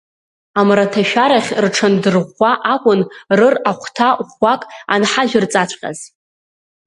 Амраҭашәарахь рҽандырӷәӷәа акәын рыр ахәҭа ӷәӷәак анҳажәырҵаҵәҟьаз.